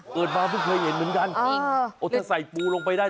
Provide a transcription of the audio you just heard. เพิ่ยบ้านเพิ่งเคยเห็นเหมือนกันแต่เศรษฐ์ใส่ปูลงไปได้